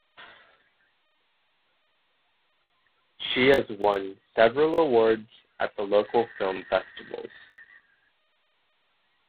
She has won several awards at the local film festivals.